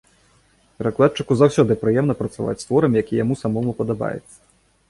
Перакладчыку заўсёды прыемна працаваць з творам, які яму самому падабаецца.